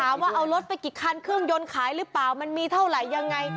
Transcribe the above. ว่าเอารถไปกี่คันเครื่องยนต์ขายหรือเปล่ามันมีเท่าไหร่ยังไง